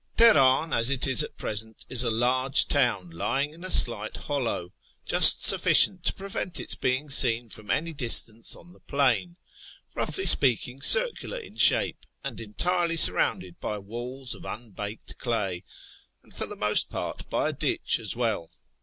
Tehenin, as it is at present, is a large town lying in a slight hollow, just sufficient to prevent its being seen from any distance on the plain ; roughly speaking circular in shape ; and entirely surrounded by walls of unbaked clay, and for the most part by a ditch as well.